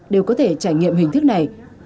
đều có thể trải nghiệm hình thức này